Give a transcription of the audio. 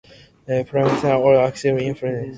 Perrier has also acted in films.